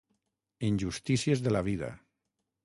Injustícies de la vida.